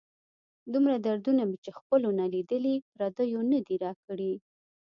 دومره دردونه مې چې خپلو نه لیدلي، پردیو نه دي را کړي.